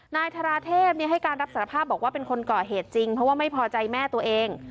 นายธาราเทพให้การรับสารภาพบอกว่าเป็นคนก่อเหตุจริงเพราะว่าไม่พอใจแม่ตัวเอง